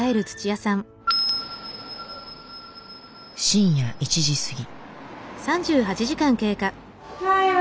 深夜１時過ぎ。